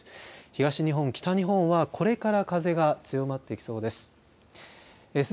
東日本、北日本はこれから風が強まってきそうです。